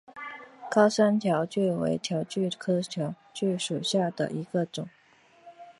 高山条蕨为条蕨科条蕨属下的一个种。